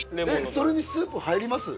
それにスープ入ります？